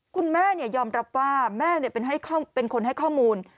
คุณแม่ยอมรับว่าแม่เป็นคนให้ข้อมูล